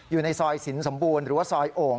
อยู่ในซอยสินสมบูรณ์หรือว่าซอยโอ่ง